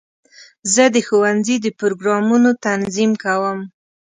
زه د ښوونځي د پروګرامونو تنظیم کوم.